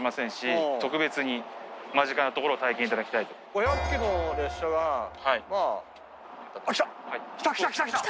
５００キロの列車が。来た来た来た来た！来た！